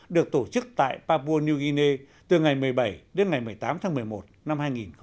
được tổ chức tại papua new guinea từ ngày một mươi bảy đến ngày một mươi tám tháng một mươi một năm hai nghìn một mươi chín